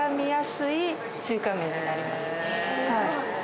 はい。